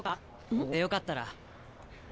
僕でよかったら。